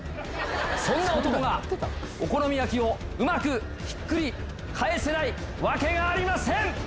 そんな男がお好み焼きをうまく返せないわけがありません！